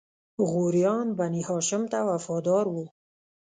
غوریان بنی هاشم ته وفادار وو.